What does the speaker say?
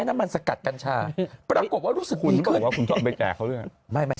น้ำมันสกัดกัญชา